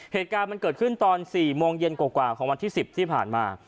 เหตุการณ์มันเกิดขึ้นตอน๔โมงเย็นกว่าของวันที่๑๐ที่ผ่านมา